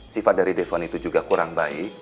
sifat dari devon juga kurang baik